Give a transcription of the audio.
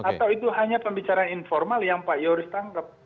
atau itu hanya pembicaraan informal yang pak yoris tangkap